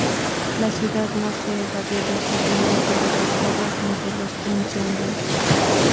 La ciudad no se evadió del sufrimiento de las guerras ni de los incendios.